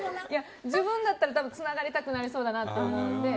自分だったら多分つながりたくなりそうだなと。